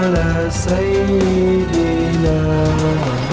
lo tanda tangan gak